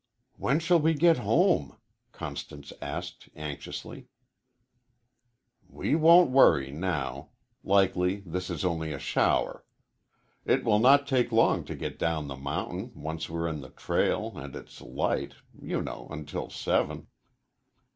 "When shall we get home?" Constance asked, anxiously. "We won't worry, now. Likely this is only a shower. It will not take long to get down the mountain, once we're in the trail, and it's light, you know, until seven."